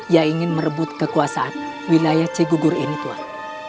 ia ingin merebut kekuasaan wilayah cegugur ini tuhan